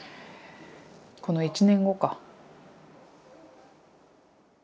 この１年後か。